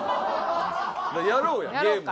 やろうやゲーム。